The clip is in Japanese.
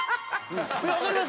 わかります？